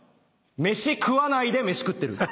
飯食わないで飯食ってる。